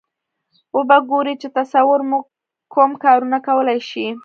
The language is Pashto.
و به ګورئ چې تصور مو کوم کارونه کولای شي.